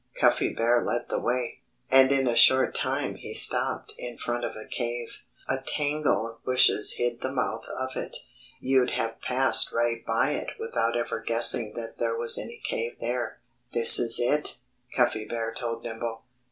Cuffy Bear led the way. And in a short time he stopped in front of a cave. A tangle of bushes hid the mouth of it. You'd have passed right by it without ever guessing that there was any cave there. "This is it," Cuffy Bear told Nimble.